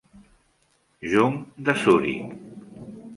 Jung de Zuric.